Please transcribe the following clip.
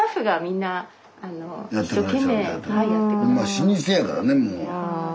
老舗やからねもう。